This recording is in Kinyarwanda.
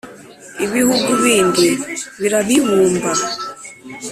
Ibihugu bindi birabibumba